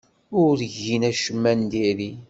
Ur gin acemma n diri.